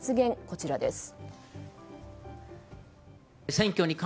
こちらです。